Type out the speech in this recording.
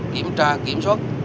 kiểm tra kiểm soát